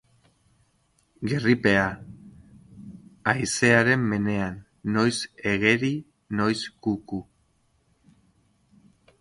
Gerripea, haizearen menean, noiz ageri noiz kuku.